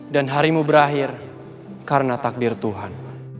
dan harimu berakhir karena takdir tuhan